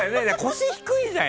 腰低いじゃん。